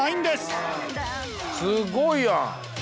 すごいやん！